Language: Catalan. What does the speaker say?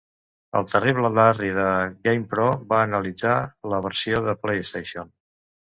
El terrible Larry de "GamePro" va analitzar la versió de PlayStation.